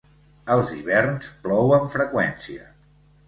Als hiverns plou amb freqüència.